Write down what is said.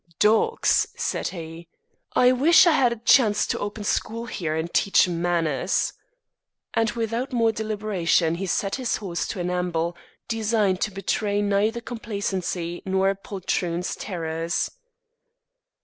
"Dogs!" said he, "I wish I had a chance to open school here and teach manners," and without more deliberation he set his horse to an amble, designed to betray neither complacency nor a poltroon's terrors.